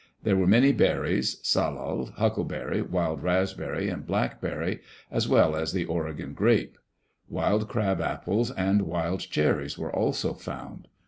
There were many berries — salal, huckleberry, wild raspberry, and blackberry, as well as the Oregon grape; wild crab apples and wild cherries were also found.